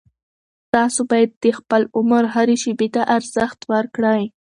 تاسو باید د خپل عمر هرې شېبې ته ارزښت ورکړئ.